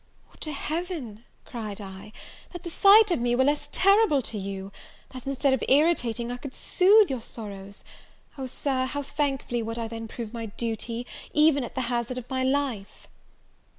"Would to Heaven," cried I, "that the sight of me were less terrible to you! that, instead of irritating, I could soothe your sorrows! Oh Sir, how thankfully would I then prove my duty, even at the hazard of my life!"